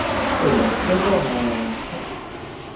Pero, ¿que broma é esta?